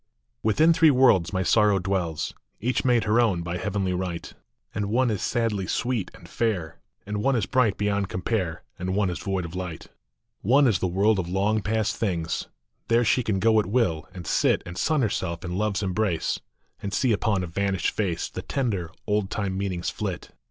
ITHIN three worlds my Sorrow dwells ; Each made her own by heavenly right ;,... And one is sadly sweet and fair, And one is bright beyond compare, And one is void of light. One is the world of long past things ; There she can go at will, and sit And sun herself in love s embrace, And see upon a vanished face The tender, old time meanings flit.